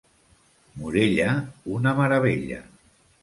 Morella, una meravella.